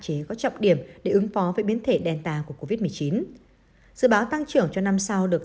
chế có trọng điểm để ứng phó với biến thể đèn tà của covid một mươi chín dự báo tăng trưởng cho năm sau được